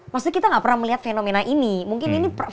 maksudnya kita gak pernah melihat fenomena ini